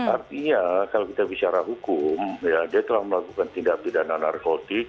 artinya kalau kita bicara hukum dia telah melakukan tindak pidana narkotik